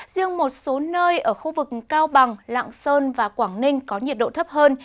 riêng một số nơi ở khu vực cao bằng lạng sơn và quảng ninh có nhiệt độ thấp hơn